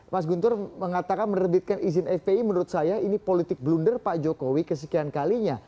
mas guntur mengatakan menerbitkan izin fpi menurut saya ini politik blunder pak jokowi kesekian kalinya